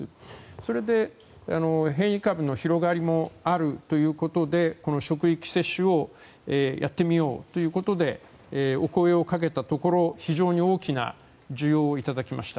それで変異株の広がりもあるということで職域接種をやってみようということでお声をかけたところ非常に大きな需要をいただきました。